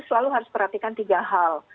selalu harus perhatikan tiga hal